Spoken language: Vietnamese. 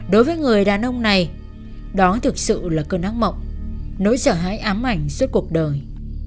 đối với người đàn ông này đó thực sự là cơn ác mộng nỗi sợ hãi ám ảnh suốt cuộc đời